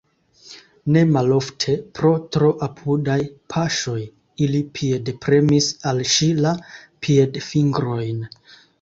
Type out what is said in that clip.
Ne malofte, pro tro apudaj paŝoj, ili piedpremis al ŝi la piedfingrojn.